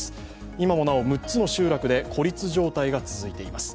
今もなお６つの集落で孤立状態が続いています。